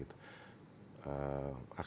tentunya lebih banyak